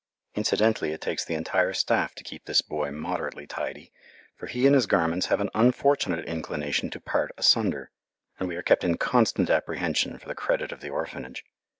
Incidentally it takes the entire staff to keep this boy moderately tidy, for he and his garments have an unfortunate inclination to part asunder, and we are kept in constant apprehension for the credit of the Orphanage.